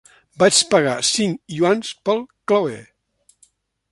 Vaig pagar cinc iuans pel clauer.